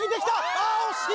あ惜しい！